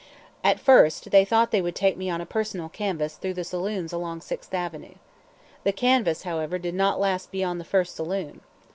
At first they thought they would take me on a personal canvass through the saloons along Sixth Avenue. The canvass, however, did not last beyond the first saloon.